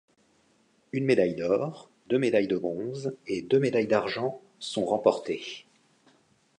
Une médaille d'or, deux médailles de bronze et deux médailles d'argent sont remportées.